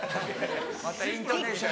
またイントネーション。